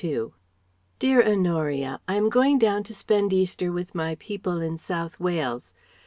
DEAR HONORIA, I am going down to spend Easter with my people in South Wales.